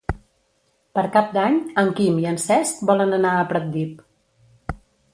Per Cap d'Any en Quim i en Cesc volen anar a Pratdip.